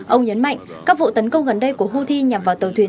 ông nhấn mạnh các vụ tấn công gần đây của houthi nhằm vào tàu thuyền